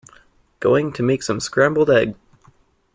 Going to make some scrambled egg.